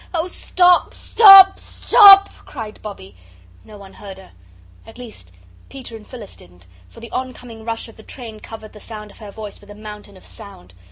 "Oh, stop, stop, stop!" cried Bobbie. No one heard her. At least Peter and Phyllis didn't, for the oncoming rush of the train covered the sound of her voice with a mountain of sound.